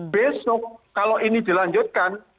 besok kalau ini dilanjutkan